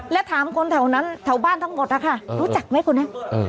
และถามคนแถวนั้นแถวบ้านทั้งหมดนะคะรู้จักไหมคนนี้